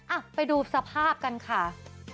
อ่ะไปดูสภาพกันค่ะ